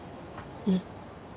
うん。